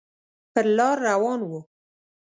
پر لار روان و.